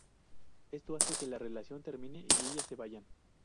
Esto hace que la relación termine y ellas se vayan.